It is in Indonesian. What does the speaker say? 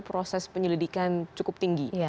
proses penyelidikan cukup tinggi